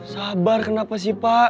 sabar kenapa sih pak